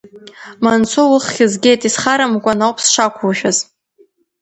Мансоу, уххь згеит, исхарамкуан ауп сшақушәаз!